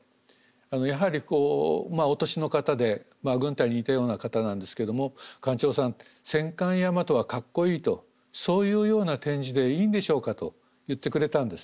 やはりこうお年の方で軍隊にいたような方なんですけども「館長さん戦艦大和はかっこいいとそういうような展示でいいんでしょうか」と言ってくれたんですね。